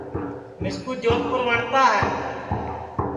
مِسکُو جودپُور وٹؔتا ہے